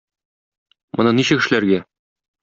Моны ничек эшләргә?